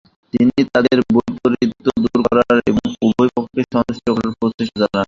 তিনি তাদের বৈপরিত্য দূর করা এবং উভয়পক্ষকে সন্তুষ্ট করার প্রচেষ্টা চালান।